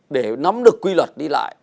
để nắm được quy luật đi lại